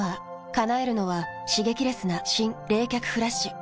叶えるのは刺激レスな新・冷却フラッシュ。